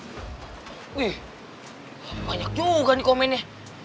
wih banyak juga nih komennya